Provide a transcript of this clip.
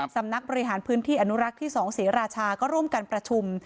สำนักบริหารพื้นที่อนุรักษ์ที่๒ศรีราชาก็ร่วมกันประชุม